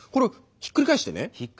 ひっくり返して？